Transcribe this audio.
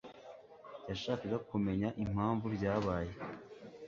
yashakaga kumenya impamvu byabaye.